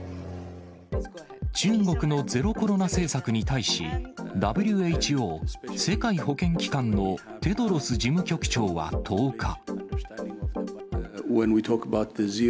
中国のゼロコロナ政策に対し、ＷＨＯ・世界保健機関のテドロス事務局長は１０日。